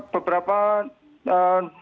beberapa di lapangan